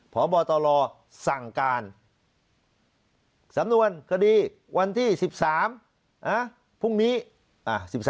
พบตรสั่งการสำนวนคดีวันที่๑๓พรุ่งนี้๑๓